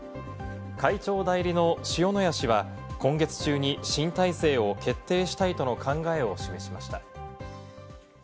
会長代理の塩谷氏は今月中に新体制を決定したいとの考えを示しました。